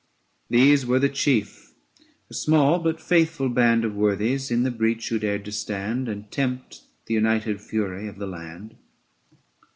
These were the chief, a small but faithful band Of worthies in the breach who dared to stand 915 And tempt the united fury of the land.